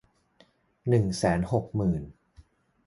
หนึ่งแสนหกหมื่น